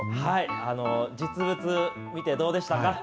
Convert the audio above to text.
実物見てどうでしたか？